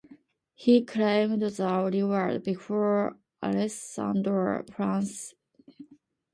He claimed the reward before Alessandro Farnese.